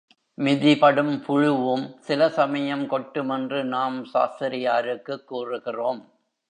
மிதிபடும் புழுவும் சில சமயம் கொட்டும் என்று நாம் சாஸ்திரியாருக்குக் கூறுகிறோம்.